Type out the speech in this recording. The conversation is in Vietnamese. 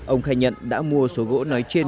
ông khai nhận đã mua số gỗ nói trên